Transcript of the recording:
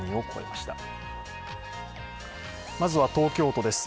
まずは東京都です。